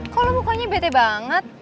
kok lo mukanya bete banget